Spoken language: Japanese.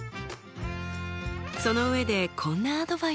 その上でこんなアドバイスが。